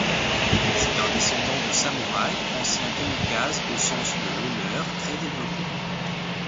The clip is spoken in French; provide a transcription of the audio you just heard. C'est un descendant de samouraï, ancien kamikaze au sens de l'honneur très développé.